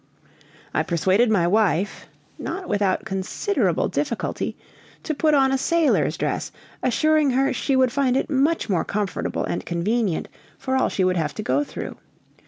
I persuaded my wife (not without considerable difficulty), to put on a sailor's dress, assuring her she would find it much more comfortable and convenient for all she would have to go through.